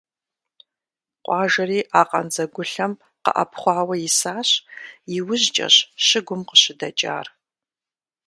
Къуажэри а къандзэгулъэм къэӀэпхъуауэ исащ, иужькӀэщ щыгум къыщыдэкӀар.